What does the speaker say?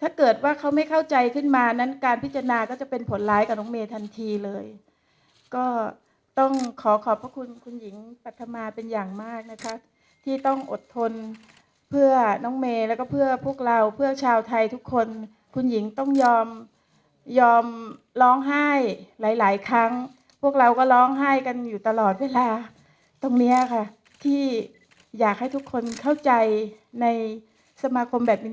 ถ้าเกิดว่าเขาไม่เข้าใจขึ้นมานั้นการพิจารณาก็จะเป็นผลร้ายกับน้องเมย์ทันทีเลยก็ต้องขอขอบพระคุณคุณหญิงปรัฐมาเป็นอย่างมากนะคะที่ต้องอดทนเพื่อน้องเมย์แล้วก็เพื่อพวกเราเพื่อชาวไทยทุกคนคุณหญิงต้องยอมยอมร้องไห้หลายหลายครั้งพวกเราก็ร้องไห้กันอยู่ตลอดเวลาตรงเนี้ยค่ะที่อยากให้ทุกคนเข้าใจในสมาคมแบบนี้